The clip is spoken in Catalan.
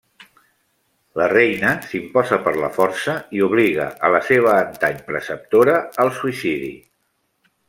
La reina s'imposa per la força i obliga a la seva antany preceptor al suïcidi.